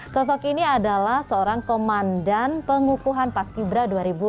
sosok ini adalah seorang komandan pengukuhan paski bra dua ribu dua puluh